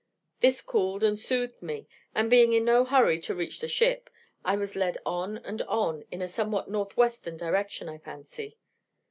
This cooled and soothed me, and being in no hurry to reach the ship, I was led on and on, in a somewhat north western direction, I fancy.